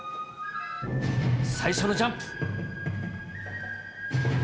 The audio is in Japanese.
最初のジャンプ。